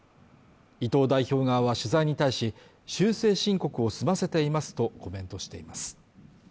伊藤代表側は取材に対し、修正申告を済ませていますとコメントしています。